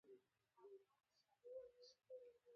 افغانستان په باران باندې تکیه لري.